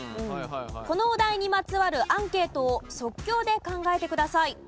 このお題にまつわるアンケートを即興で考えてください。